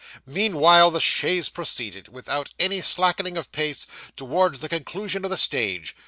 Meanwhile the chaise proceeded, without any slackening of pace, towards the conclusion of the stage.